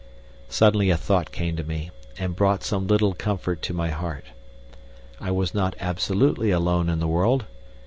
Suddenly a thought came to me and brought some little comfort to my heart. I was not absolutely alone in the world.